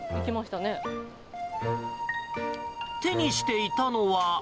手にしていたのは。